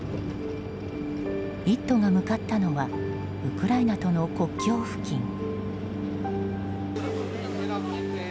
「イット！」が向かったのはウクライナとの国境付近。